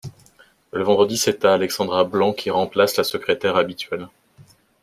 Le vendredi, c'etat Alexandra Blanc qui remplace la secrétaire habituelle.